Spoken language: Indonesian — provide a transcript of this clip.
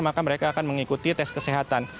maka mereka akan mengikuti tes kesehatan